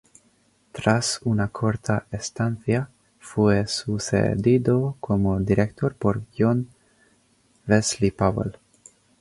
Tras una corta estancia, fue sucedido como director por John Wesley Powell.